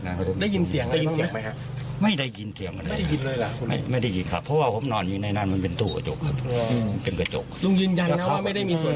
ลุงยืนยันนะว่าไม่ได้มีส่วนเกี่ยวข้าบ